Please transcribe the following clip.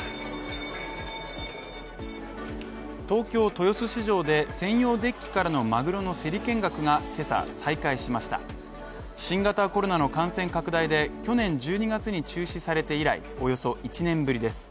東京豊洲市場で、専用デッキからのマグロの競り見学が、今朝再開しました新型コロナの感染拡大で、去年１２月に中止されて以来、およそ１年ぶりです。